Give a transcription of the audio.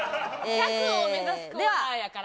１００を目指すコーナーやから。